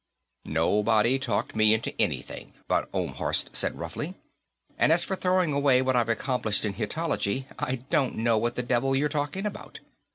"Nobody talked me into anything," von Ohlmhorst said roughly. "And as for throwing away what I've accomplished in Hittitology, I don't know what the devil you're talking about.